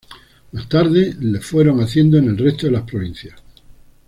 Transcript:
Más tarde lo fueron haciendo en el resto de las provincias.